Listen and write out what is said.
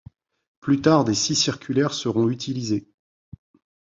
Plus tard des scies circulaires seront utilisées.